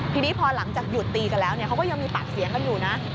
ทีนี้พอหลังจากหยุดตีกันแล้วเขาก็ยังมีปากเสียงกันอยู่นะ